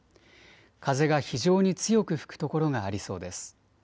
風が非常に強く吹く所がありそうです。